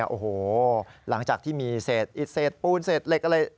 โอ้โหหลังจากที่มีเศษอิดเศษปูนเศษเหล็กอะไร